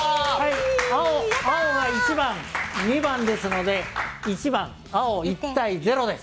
青が１番、２番ですので１番青、１対０です。